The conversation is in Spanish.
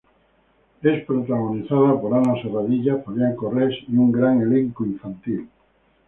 Es protagonizada por Ana Serradilla, Fabián Corres y un gran elenco infantil.